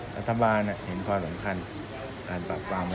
ถ้าบ้านอ่ะเห็นความสำคัญอ่ะบาง